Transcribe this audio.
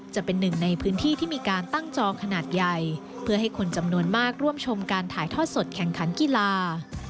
จะเป็นหนึ่งในพื้นที่ที่มีการตั้งจองขนาดใหญ่เพื่อให้คนจำนวนมากร่วมชมการถ่ายทอดสดแข่งขันกีฬา